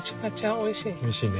おいしいね。